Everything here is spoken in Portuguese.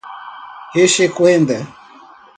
exequenda